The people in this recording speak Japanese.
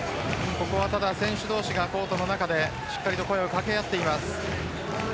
ここは、ただ選手同士がコートの中でしっかり声を掛け合っています。